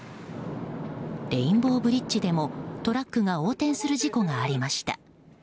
レインボーブリッジでもトラックが横転する事故がありました。